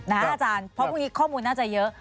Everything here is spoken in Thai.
อาจารย์เพราะพรุ่งนี้ข้อมูลน่าจะเยอะ